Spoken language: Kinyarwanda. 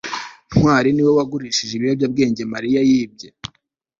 ntwali niwe wagurishije ibiyobyabwenge mariya yibye